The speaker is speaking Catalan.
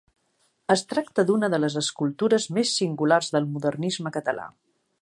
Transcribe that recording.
Es tracta d'una de les escultures més singulars del modernisme català.